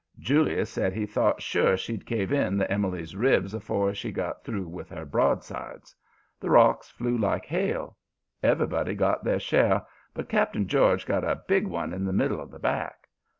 Julius said he thought sure she'd cave in the Emily's ribs afore she got through with her broadsides. The rocks flew like hail. Everybody got their share, but Cap'n George got a big one in the middle of the back.